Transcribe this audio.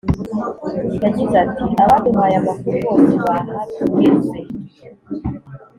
yagize ati “abaduhaye amakuru bose bahageze